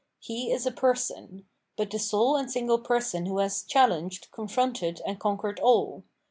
He is a person ; but the sole and single person who has chal lenged, confronted, and conquered all.